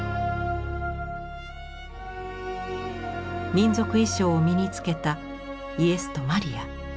民族衣装を身につけたイエスとマリア。